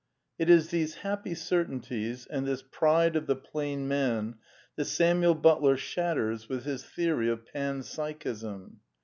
It is these happy certainties, and this pride of the plain man that Samuel Butler shatters with his theory of Pan Psychism.